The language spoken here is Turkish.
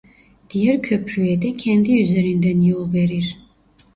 Diğer köprüye de kendi üzerinden yol verir.